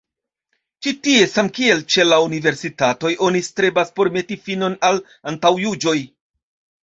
Ĉi tie, samkiel ĉe la universitatoj, oni strebas por meti finon al antaŭjuĝoj".